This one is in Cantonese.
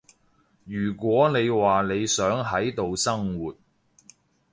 如果你話你想喺度生活